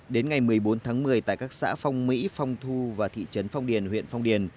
đến ngày một mươi bốn tháng một mươi tại các xã phong mỹ phong thu và thị trấn phong điền huyện phong điền